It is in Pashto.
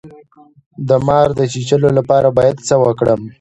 د مار د چیچلو لپاره باید څه وکړم؟